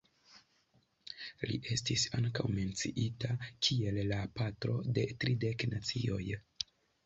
Li estis ankaŭ menciita kiel la patro de tridek nacioj.